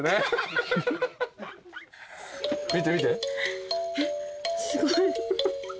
見て見て。